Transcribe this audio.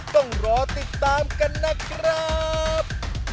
ต้องรอติดตามกันนะครับ